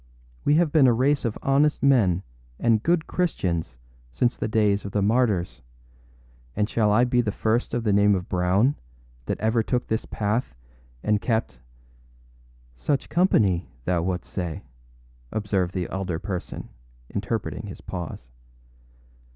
We have been a race of honest men and good Christians since the days of the martyrs; and shall I be the first of the name of Brown that ever took this path and keptââ âSuch company, thou wouldst say,â observed the elder person, interpreting his pause.